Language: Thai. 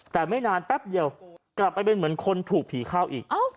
แต่ไม่นานแป๊บเดียวกลับไปเป็นเหมือนคนถูกผีเข้าอีก